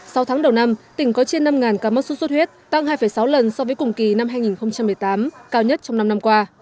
sau tháng đầu năm tỉnh có trên năm ca mắc sốt xuất huyết tăng hai sáu lần so với cùng kỳ năm hai nghìn một mươi tám cao nhất trong năm năm qua